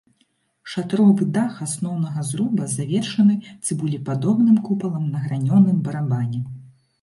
Шатровы дах асноўнага зруба завершаны цыбулепадобным купалам на гранёным барабане.